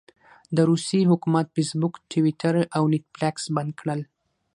د روسيې حکومت فیسبوک، ټویټر او نیټفلکس بند کړل.